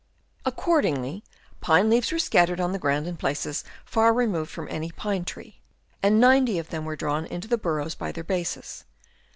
77 Accordingly, pine leaves were scattered on the ground in places far removed from any pine tree, and 90 of them were drawn into the burrows by their bases.